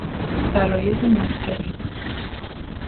فرایض مذهبی